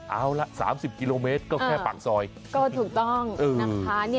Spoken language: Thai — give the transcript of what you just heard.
เอาละ๓๐กิโลเมตรก็แค่ปากซอยก็ถูกต้องนะคะ